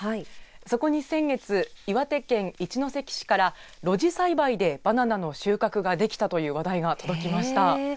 そこに先月、岩手県一関市から露地栽培でバナナの収穫ができたという話題が届きました。